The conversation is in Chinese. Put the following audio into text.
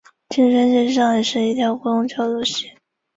毛马齿苋是马齿苋科马齿苋属的植物。